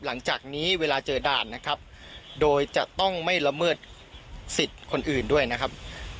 หลังจากนี้เวลาเจอด่านนะครับโดยจะต้องไม่ละเมิดสิทธิ์คนอื่นด้วยนะครับ